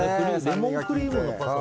レモンクリームのパスタ